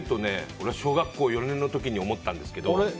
俺は小学校４年の時に思ったんですけど。